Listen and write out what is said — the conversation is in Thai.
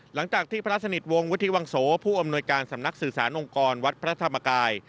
หลังจากที่พระสนิทวงศ์วุฒิวังโสผู้อำนวยการสำนักสื่อสารองค์กรวัดพระธรรมกาย